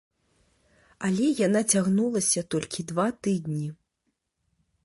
Але яна цягнулася толькі два тыдні.